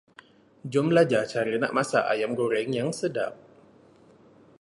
Jom berlajar cara nak masak ayam goreng yang sedap.